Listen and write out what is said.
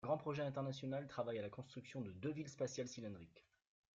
Un grand projet international travaille à la construction de deux villes spatiales cylindriques.